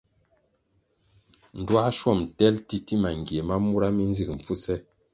Ndtuāschwom tel titima ngie ma mura mi nzig mpfuse.